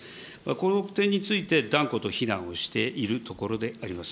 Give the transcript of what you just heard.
この点について断固と非難をしているところであります。